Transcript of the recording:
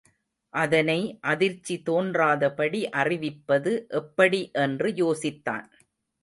அதனை அதிர்ச்சி தோன்றாதபடி அறிவிப்பது எப்படி என்று யோசித்தான்.